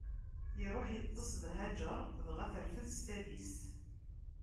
Iṛuḥ iṭṭeṣ d Hagaṛ, dɣa terfed s tadist.